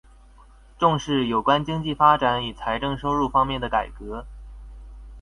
重視有關經濟發展與財政收入方面的改革